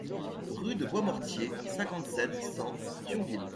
Rue de Boismortier, cinquante-sept, cent Thionville